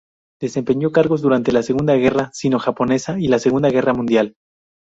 Desempeñó cargos durante la segunda guerra sino-japonesa y la segunda guerra mundial.